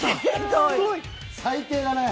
最低だね。